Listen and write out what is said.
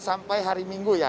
sampai hari minggu ya